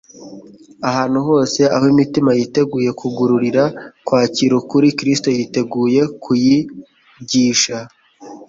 Ahantu hose, aho imitima yiteguye kugururira kwakira ukuri, Kristo yiteguye kuyigisha.